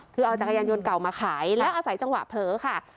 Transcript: คือเอาจักรยานยนต์เก่ามาขายแล้วอาศัยจังหวะเผลอค่ะ